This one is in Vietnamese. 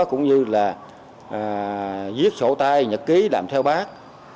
cũng như là viết sổ tay nhật ký làm theo bác